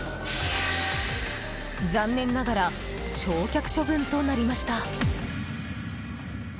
残念ながら焼却処分となりました。